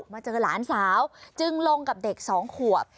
มาเจอหลานสาวจึงลงกับเด็กสองขวบ